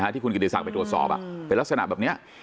ที่คุณกิติศักดิ์ไปตรวจสอบเป็นลักษณะแบบนี้